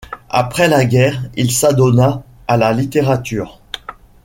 Après la guerre il s'adonna à la littérature.